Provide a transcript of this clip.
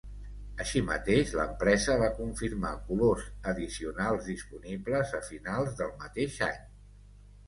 Així mateix l'empresa va confirmar colors addicionals disponibles a finals del mateix any.